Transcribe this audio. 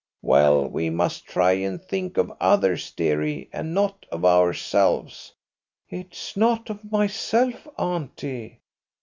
"Well, we must try and think of others, dearie, and not of ourselves." "It's not of myself, auntie."